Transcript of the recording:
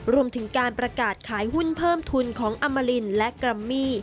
รวมถึงการประกาศขายหุ้นเพิ่มทุนของอมรินและกรัมมี่